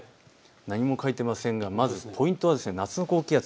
何も書いていませんがポイントは夏の高気圧。